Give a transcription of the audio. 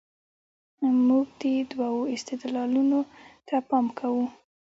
موږ دې دوو استدلالونو ته پام کوو.